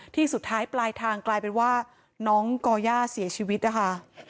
ที่สุดท้ายปลายทางกลายเป็นว่าน้องก่อย่าเสียชีวิตนะคะ